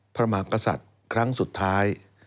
มากษัตริย์ครั้งสุดท้าย